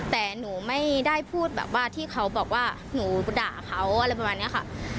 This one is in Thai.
แต่หนูไม่ได้พูดแบบว่าที่เขาบอกว่าหนูด่าเขาอะไรประมาณนี้ค่ะ